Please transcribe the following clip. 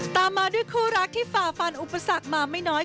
ตามมาด้วยคู่รักที่ฝ่าฟันอุปสรรคมาไม่น้อย